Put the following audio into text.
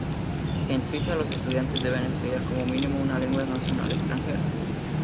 En Suiza, los estudiantes deben estudiar como mínimo una lengua nacional extranjera.